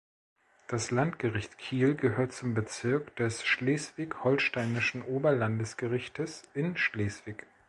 Das Landgericht Kiel gehört zum Bezirk des Schleswig-Holsteinischen Oberlandesgerichtes in Schleswig.